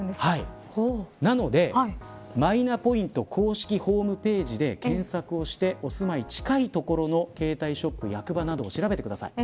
なので、マイナポイント公式ホームページで検索をしてお住まい近い所の携帯ショップや役場などを調べてください。